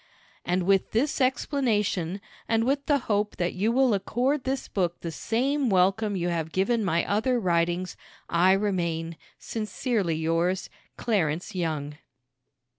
And with this explanation, and with the hope that you will accord this book the same welcome you have given my other writings, I remain, Sincerely yours, CLARENCE YOUNG.